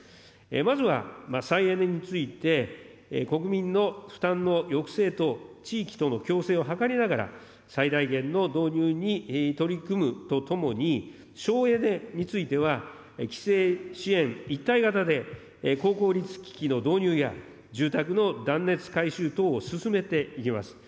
まずは再エネについて、国民の負担の抑制と地域との共生を図りながら、最大限の導入に取り組むとともに、省エネについては、規制支援一体型で高効率機器の導入や、住宅の断熱改修等を進めていきます。